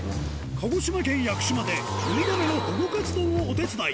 鹿児島県屋久島で、ウミガメの保護活動をお手伝い。